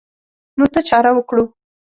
نو څه چاره وکړو.